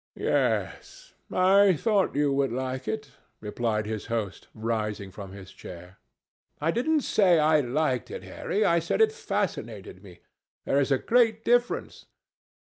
"Yes, I thought you would like it," replied his host, rising from his chair. "I didn't say I liked it, Harry. I said it fascinated me. There is a great difference."